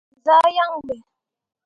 Me gah inzah yaŋ ɓe.